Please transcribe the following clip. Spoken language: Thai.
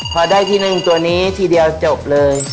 พอได้ที่หนึ่งตัวนี้ทีเดียวจบเลย